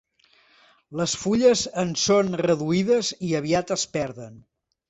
Les fulles en són reduïdes i aviat es perden.